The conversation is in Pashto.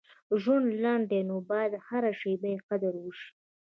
• ژوند لنډ دی، نو باید هره شیبه یې قدر وشي.